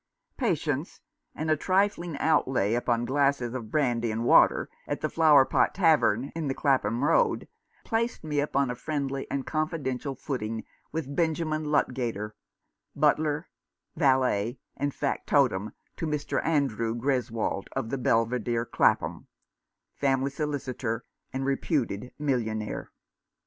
Patience, and a trifling outlay upon glasses of brandy and water at the Flower Pot tavern in the Clapham Road, placed me upon a friendly and confidential footing with Benjamin Ludgater, butler, valet, and factotum to Mr. Andrew Greswold, of the Belvidere, Clapham, family solicitor, and reputed millionaire.